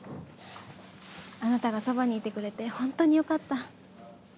あなたがそばにいてくれて本当によかった。